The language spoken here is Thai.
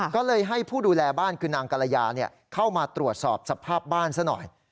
ก็เลยให้ผู้ดูแลบ้านคือนางกรยาเข้ามาตรวจสอบสภาพบ้านซะหน่อย